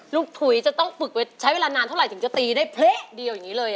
ถุยจะต้องฝึกไปใช้เวลานานเท่าไหร่ถึงจะตีได้เละอย่างนี้เลย